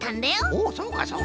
おそうかそうか。